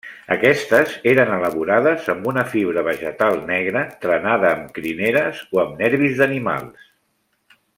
Aquestes eren elaborades amb una fibra vegetal negra trenada amb crineres o amb nervis d'animals.